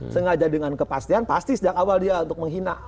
sengaja dengan kepastian pasti sejak awal dia untuk menghina